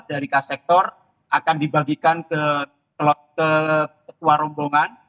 dari kasektor akan dibagikan ke ketua rombongan